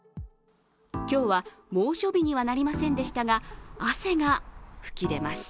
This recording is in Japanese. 今日は、猛暑日にはなりませんでしたが汗が噴き出ます。